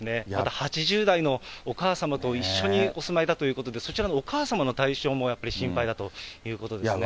８０代のお母様と一緒にお住まいだということで、そちらのお母様の体調もやっぱり心配だということですね。